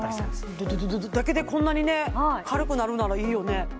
ドドドドドだけでこんなにね軽くなるならいいよね